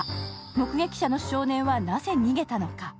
目撃者の少年はなぜ逃げたのか？